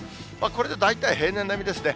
これで大体平年並みですね。